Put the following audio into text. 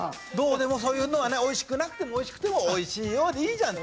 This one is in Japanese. そういうのはねおいしくなくてもおいしくても「おいしいよ」でいいじゃんって。